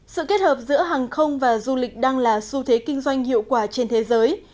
sự kết hợp giữa hàng không và du lịch đang là xu thế kinh doanh hiệu quả trên thế giới